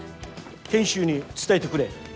賢秀に伝えてくれ。